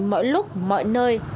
mỗi lúc mọi nơi